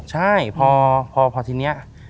ใช่พอทีนี้